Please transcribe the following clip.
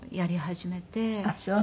あっそう。